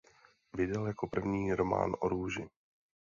Vydal jako první "Román o růži".